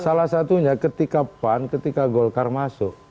salah satunya ketika pan ketika golkar masuk